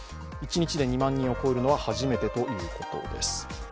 一日で２万人を超えるのは初めてということです。